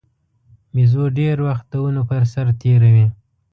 بیزو ډېر وخت د ونو پر سر تېروي.